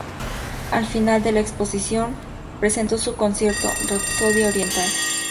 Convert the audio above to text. Al final de la exposición, presentó su concierto "Rapsodia Oriental".